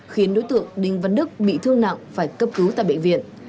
khiến đối tượng đinh văn đức bị thương nặng phải cấp cứu tại bệnh viện